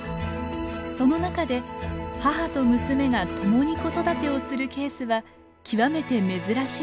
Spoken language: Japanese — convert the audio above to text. その中で母と娘が共に子育てをするケースは極めて珍しいといいます。